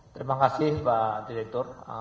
terima kasih pak direktur